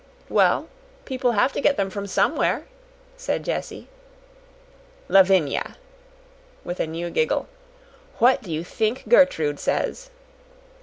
"Well, people have to get them from somewhere," said Jessie. "Lavinia," with a new giggle, "what do you think Gertrude says?"